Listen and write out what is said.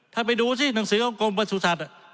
ท่านไปดูสิหนังสือองค์บวชุษัตอ่ะ